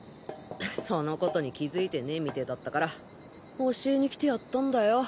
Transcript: そのことに気づいてねえみてだったから教えに来てやったんだよ。